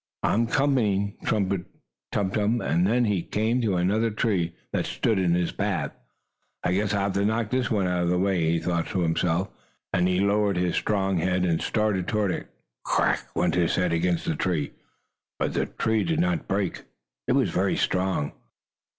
"I'm coming!" trumpeted Tum Tum, and then he came to another tree that stood in his path. "I guess I'll have to knock this out of the way," he thought to himself, and he lowered his strong head and started toward it. "Crack!" went his head against the tree, but the tree did not break. It was very strong.